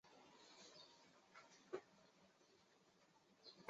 北约国家生产的反舰导弹一般采用涡轮发动机。